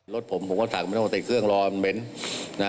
รถผมตัดเครื่องรอนมันเหม็น